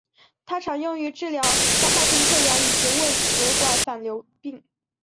它常用于治疗消化性溃疡以及胃食管反流病。